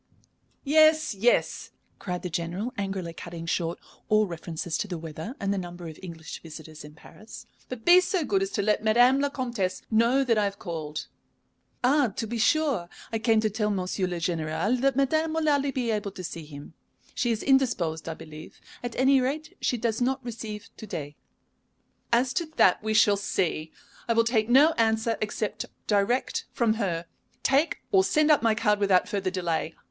"Yes, yes," cried the General, angrily cutting short all references to the weather and the number of English visitors in Paris. "But be so good as to let Madame la Comtesse know that I have called." "Ah, to be sure! I came to tell Monsieur le Général that madame will hardly be able to see him. She is indisposed, I believe. At any rate, she does not receive to day." "As to that, we shall see. I will take no answer except direct from her. Take or send up my card without further delay.